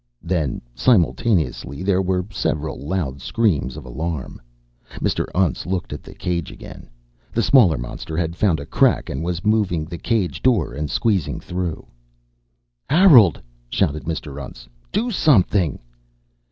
Then simultaneously there were several loud screams of alarm. Mr. Untz looked at the cage again. The smaller monster had found a crack, and was moving the cage door and squeezing through. "Harold!" shouted Mr. Untz. "_Do something!